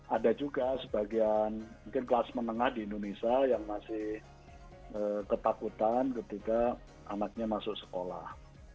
ada juga sebagian mungkin kelas menengah di indonesia yang masih ketakutan ketika anaknya masuk sekolah